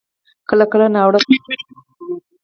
کله کله ناوړه کارونو ته لاس اچوي.